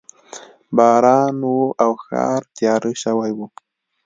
باران و او ښار تیاره شوی و